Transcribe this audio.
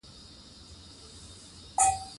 سیالي بیې ټیټوي.